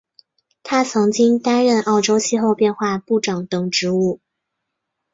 他曾经担任澳洲气候变化部长等职务。